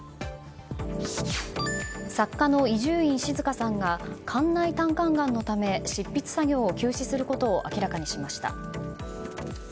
作家の伊集院静さんが肝内胆管がんのため執筆作業を休止することを明らかにしました。